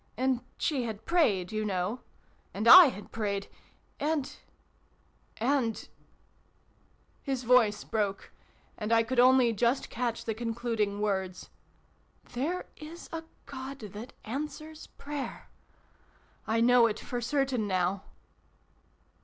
And she had prayed, you know. And I had prayed. And and " his voice broke, and XXV] LIFE OUT OF DEATH. 407 I could only just catch the concluding words, '' there is a God that answers prayer ! I know it for certain now."